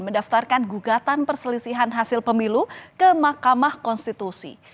mendaftarkan gugatan perselisihan hasil pemilu ke mahkamah konstitusi